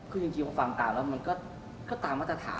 คือจริงพอฟังตามแล้วมันก็ตามมาตรฐาน